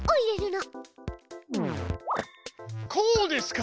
こうですか？